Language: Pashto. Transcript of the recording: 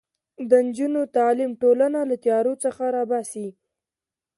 د نجونو تعلیم ټولنه له تیارو څخه راباسي.